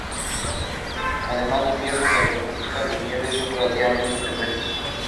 The nearest primary school is in Agnes Water.